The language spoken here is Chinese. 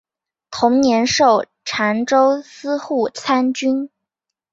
同年授澶州司户参军。